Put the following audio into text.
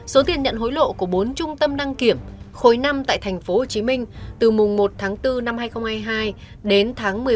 số tiền nhận hối lộ của bốn trung tâm đăng kiểm khối năm tại tp hcm từ mùng một tháng bốn năm hai nghìn hai mươi hai đến tháng một mươi một